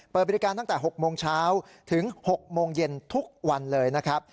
เปิดบริการตั้งแต่๖โมงเช้าถึง๖โมงเย็นทุกวันเลยนะครับ